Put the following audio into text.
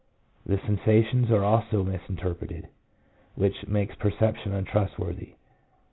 The sensations are also misinterpreted, which makes perception untrust worthy.